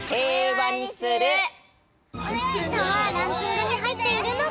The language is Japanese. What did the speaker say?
さあランキングにはいっているのか？